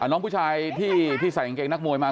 น้องผู้ชายที่ใส่กางเกงนักมวยมา